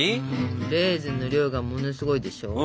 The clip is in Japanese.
レーズンの量がものすごいでしょ？